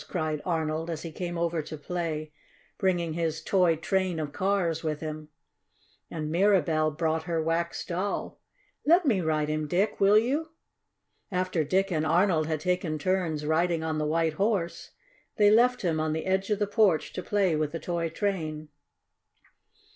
cried Arnold, as he came over to play, bringing his toy train of cars with him. And Mirabell brought her wax doll. "Let me ride him, Dick, will you?" After Dick and Arnold had taken turns riding on the White Horse, they left him on the edge of the porch to play with the toy train.